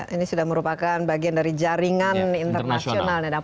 ini sudah merupakan bagian dari jaringan internasional